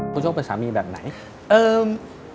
คุณโชคเป็นสามีแบบไหน